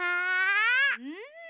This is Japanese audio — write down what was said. うん。